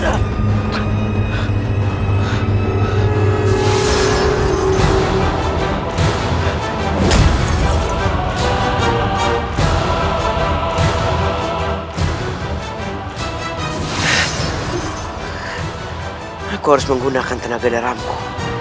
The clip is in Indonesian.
aku harus menggunakan tenaga neramku